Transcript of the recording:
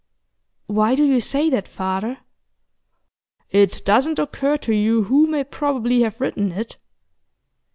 'Why do you say that, father?' 'It doesn't occur to you who may probably have written it?